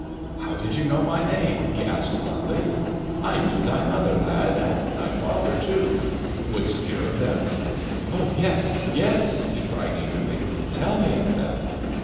"How did you know my name?" he asked, bluntly. "I knew thy mother, lad, and thy father, too. Wouldst hear of them?" "Yes, yes!" he cried eagerly. "Tell me of them!"